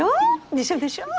でしょでしょ？